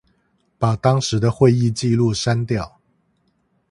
把當時的會議記錄刪掉